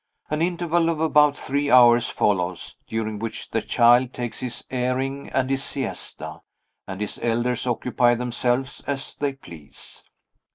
An interval of about three hours follows, during which the child takes his airing and his siesta, and his elders occupy themselves as they please.